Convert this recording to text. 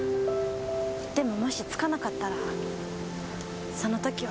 でももし着かなかったらその時は。